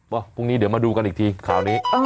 พรุ่งนี้เดี๋ยวมาดูกันอีกทีข่าวนี้